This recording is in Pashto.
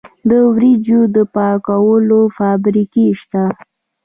د وریجو د پاکولو فابریکې شته.